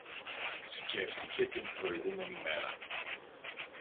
Σκέφτηκε την προηγούμενη μέρα